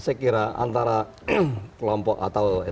saya kira antara kelompok atau